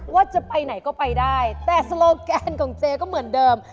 ว่าจะไปไหนก็ไปได้แต่สโลแกนของเจก็เหมือนเดิม